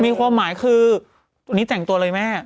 มีความหมายคือวันนี้แต่งตัวเลยแม่